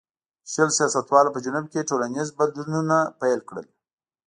شل سیاستوالو په جنوب کې ټولنیز بدلونونه پیل کړل.